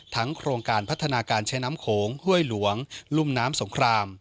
โครงการพัฒนาการใช้น้ำโขงห้วยหลวงรุ่มน้ำสงคราม